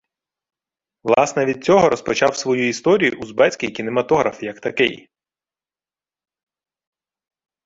Власне від цього розпочав свою історію узбецький кінематограф як такий.